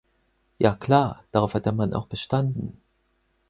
Ja klar, darauf hat der Mann auch bestanden.